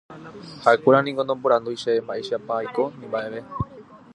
ha'ekuéra niko noporandúi chéve mba'éichapa aiko ni mba'eve